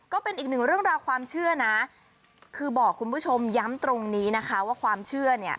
ก็เป็นอีกหนึ่งเรื่องราวความเชื่อนะคือบอกคุณผู้ชมย้ำตรงนี้นะคะว่าความเชื่อเนี่ย